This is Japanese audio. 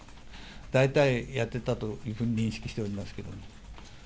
大体やってたというふうに認識しておりますけれども。